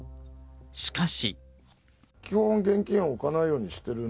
しかし。